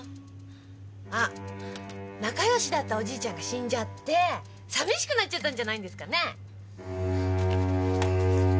あ仲良しだったおじいちゃんが死んじゃって寂しくなっちゃったんじゃないんですかねぇ？